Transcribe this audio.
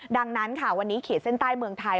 ดังนั้นค่ะวันนี้ขีดเส้นใต้เมืองไทย